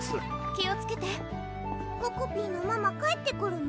気をつけてここぴーのママ帰ってくるの？